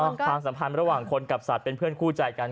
ความสัมพันธ์ระหว่างคนกับสัตว์เป็นเพื่อนคู่ใจกัน